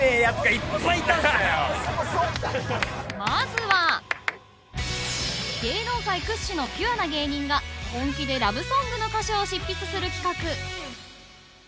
［まずは芸能界屈指のピュアな芸人が本気でラブソングの歌詞を執筆する企画］